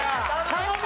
頼む！